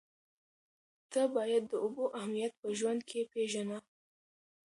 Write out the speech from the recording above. ته باید د اوبو اهمیت په ژوند کې پېژنه.